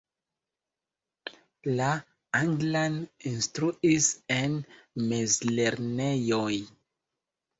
La anglan instruis en mezlernejoj.